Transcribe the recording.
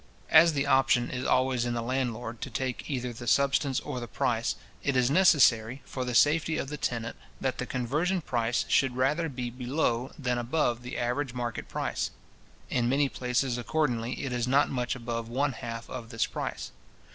As the option is always in the landlord to take either the substance or the price, it is necessary, for the safety of the tenant, that the conversion price should rather be below than above the average market price. In many places, accordingly, it is not much above one half of this price.